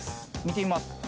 見てみます。